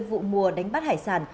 vụ mùa đánh bắt hải sản